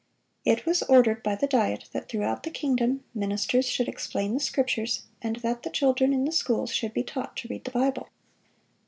It was ordered by the Diet that throughout the kingdom, ministers should explain the Scriptures, and that the children in the schools should be taught to read the Bible.